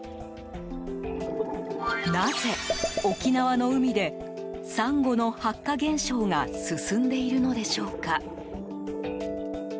なぜ、沖縄の海でサンゴの白化現象が進んでいるのでしょうか。